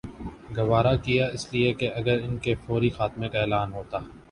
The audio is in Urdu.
گوارا کیا اس لیے کہ اگر ان کے فوری خاتمے کا اعلان ہوتا